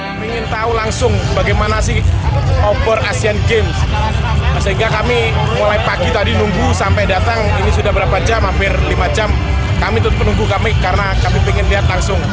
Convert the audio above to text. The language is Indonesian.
saya ingin tahu langsung bagaimana sih obor asian games sehingga kami mulai pagi tadi nunggu sampai datang ini sudah berapa jam hampir lima jam kami tetap menunggu kami karena kami ingin lihat langsung